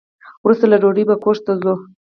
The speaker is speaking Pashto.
وروسته له ډوډۍ به کورس ته ځو.